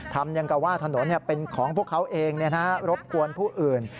ทำอย่างกับว่าถนนเป็นของพวกเขาเองรบกวนผู้อื่น